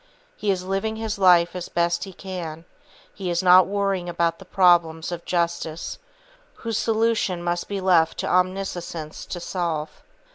He is living his life as best he can; he is not worrying about the problems of justice, whose solution must be left to Omniscience to solve.